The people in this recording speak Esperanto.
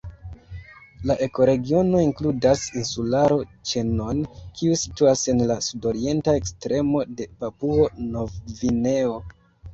La ekoregiono inkludas insularo-ĉenon kiu situas en la sudorienta ekstremo de Papuo-Novgvineo.